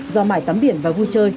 do mải tắm biển và vui chơi